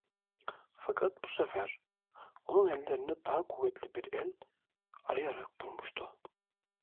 Fakat bu sefer, onun ellerini daha kuvvetli bir el arayarak bulmuştu.